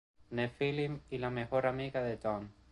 Nephilim y la mejor amiga de Dawn.